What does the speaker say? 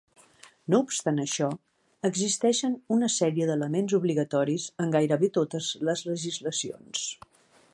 No obstant això, existeixen una sèrie d'elements obligatoris en gairebé totes les legislacions.